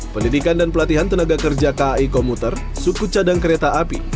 pendidikan dan pelatihan tenaga kerja kai komuter suku cadang kereta api